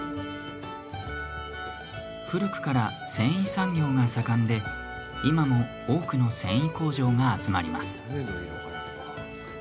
古くから繊維産業が盛んで今も多くの繊維工場が集まります。